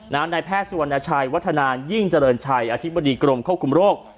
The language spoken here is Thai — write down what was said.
นายแพทย์สุวรรณชัยวัฒนายิ่งเจริญชัยอธิบดีกรมควบคุมโรค